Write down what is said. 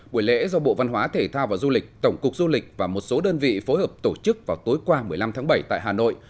buổi lễ do bộ văn hóa thể thao và du lịch tổng cục du lịch và một số đơn vị phối hợp tổ chức vào tối qua một mươi năm tháng bảy tại hà nội